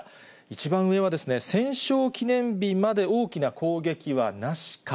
一番上は、戦勝記念日まで大きな攻撃はなしか。